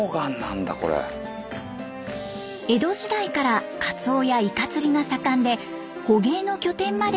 江戸時代からカツオやイカ釣りが盛んで捕鯨の拠点までつくられていました。